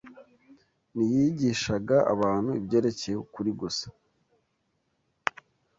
Ntiyigishaga abantu ibyerekeye ukuri gusa,